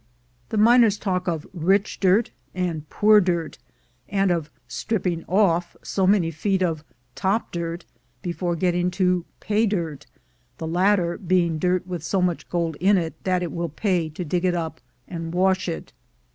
The miners talk of rich 124 THE GOLD HUNTERS dirt and poor dirt, and of "stripping off" so many feet of "top dirt" before getting to "pay dirt," the / latter meaning dirt with so much gold in it that it i wjll pay to dig it up and wash it.